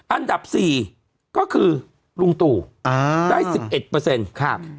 อันดับ๔ก็คือลุงตู่ได้๑๑ครับ